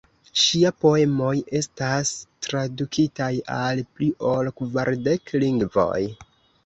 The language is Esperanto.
Ŝia poemoj estas tradukitaj al pli ol kvardek lingvoj.